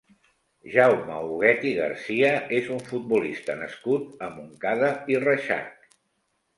Jaume Huguet i Garcia és un futbolista nascut a Montcada i Reixac.